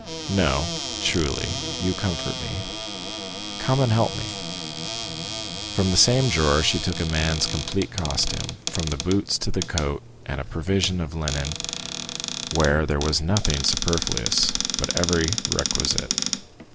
"No, truly—you comfort me." "Come and help me." From the same drawer she took a man's complete costume, from the boots to the coat, and a provision of linen, where there was nothing superfluous, but every requisite.